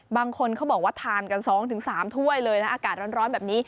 บางคนเขาบอกว่าทานกัน๒๓ถ้วยเลยนะอากาศร้อนแบบนี้